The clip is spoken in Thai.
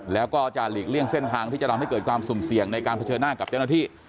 แล้วก็จะหลีกเลี่ยงเส้นทางที่จะทำให้เกิดความสุ่มเสี่ยงในการเผชิญหน้ากับเจ้าหน้าที่